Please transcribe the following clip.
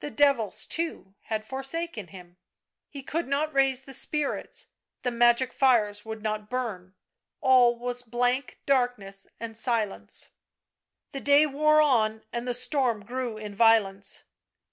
The devils, too, had forsaken him; he could not raise the spirits, the magic fires would not burn ... all was blank darkness and silence. The day wore on and the storm grew in violence.